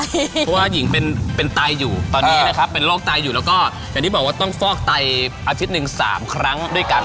เพราะว่าหญิงเป็นไตอยู่ตอนนี้นะครับเป็นโรคไตอยู่แล้วก็อย่างที่บอกว่าต้องฟอกไตอาทิตย์หนึ่ง๓ครั้งด้วยกัน